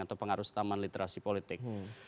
atau pengaruh staman literasi politik